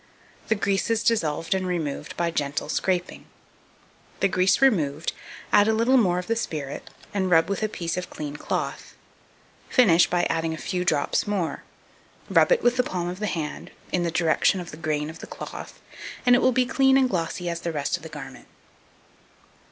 The grease is dissolved and removed by gentle scraping. The grease removed, add a little more of the spirit, and rub with a piece of clean cloth; finish by adding a few drops more; rub it with the palm of the hand, in the direction of the grain of the cloth, and it will be clean and glossy as the rest of the garment.